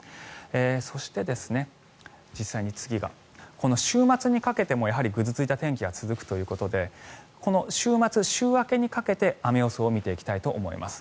そして、実際に次が、この週末にかけてもぐずついた天気が続くということで週末、週明けにかけて雨予想を見ていきたいと思います。